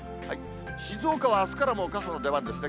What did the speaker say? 静岡はあすからもう傘の出番ですね。